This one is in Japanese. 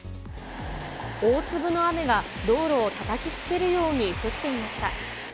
大粒の雨が道路をたたきつけるように降っていました。